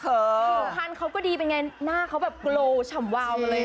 คือทานเขาก็ดีเป็นไงหน้าเขาแบบโกรธชำวาวเลยนะคุณผู้ชม